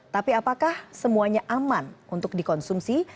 tapi apakah semuanya aman untuk dikonsumsi